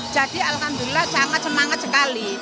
jadi alhamdulillah sangat semangat sekali